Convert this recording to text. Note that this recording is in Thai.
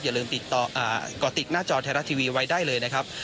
อย่าลืมก่อติดหน้าจอแทรร่าทีวีไว้ได้เลยนะครับ